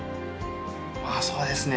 まあそうですね